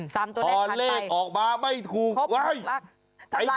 สามตัวแรกผ่านไปพอเลขออกมาไม่ถูกโอ๊ย